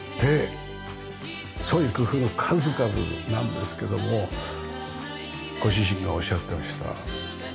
創意工夫の数々なんですけどもご主人がおっしゃってました。